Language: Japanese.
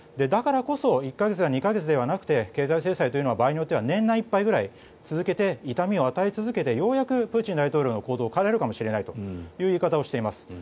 だからこそ１か月２か月ではなくて経済制裁というのは場合によって年内ぐらい続けて、痛みを与え続けてようやくプーチン大統領の行動を変えられるかもしれないという言い方をしています。